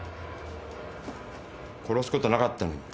殺すことなかったのに。